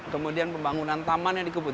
kemudian pembangunan taman yang dikebut